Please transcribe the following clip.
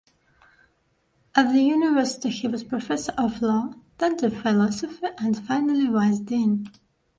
At the university he was professor of law, then of philosophy, and finally vice-dean.